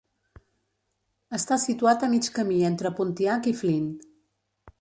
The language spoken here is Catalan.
Està situat a mig camí entre Pontiac i Flint.